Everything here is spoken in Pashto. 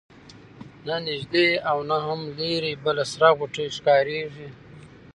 نه نیژدې او نه هم لیري بله سره غوټۍ ښکاریږي